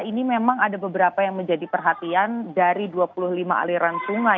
ini memang ada beberapa yang menjadi perhatian dari dua puluh lima aliran sungai